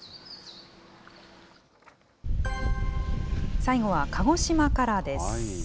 最後は鹿児島からです。